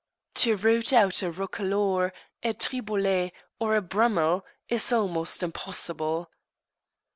To root out a Roquelaure, a Triboulet, or a Brummel, is almost impossible.